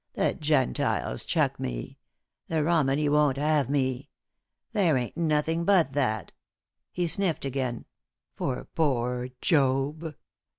The Gentiles chuck me; the Romany won't have me! There ain't nothing but that," he sniffed again, "for poor Job!"